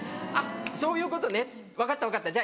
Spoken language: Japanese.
そういうことね分かったじゃあ